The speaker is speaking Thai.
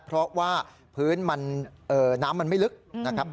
เพราะว่าพื้นน้ำมันไม่ลึกนะครับ